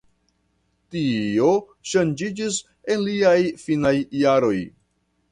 Tio ŝanĝiĝis en liaj finaj jaroj.